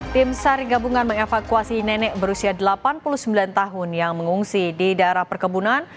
tim sar gabungan mengevakuasi nenek berusia delapan puluh sembilan tahun yang mengungsi di daerah perkebunan